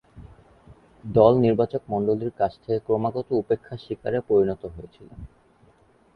দল নির্বাচকমণ্ডলীর কাছ থেকে ক্রমাগত উপেক্ষার শিকারে পরিণত হয়েছিলেন।